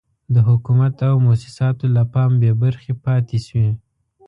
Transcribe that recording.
د حکومت او موسساتو له پام بې برخې پاتې شوي.